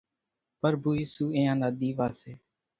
پرڀُو ايسُو اينيان نا ۮيوا سي